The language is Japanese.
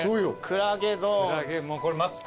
クラゲゾーン。